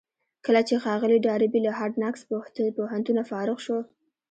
کله چې ښاغلی ډاربي له هارډ ناکس پوهنتونه فارغ شو.